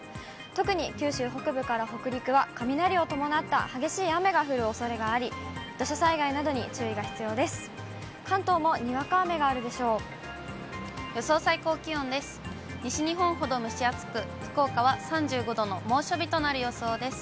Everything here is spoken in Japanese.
特に九州北部から北陸は、雷を伴った激しい雨が降るおそれがあり、土砂災害などに注意が必要です。